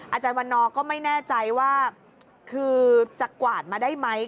อาจารย์วันนอร์ก็ไม่แน่ใจว่าคือจะกวาดมาได้ไหม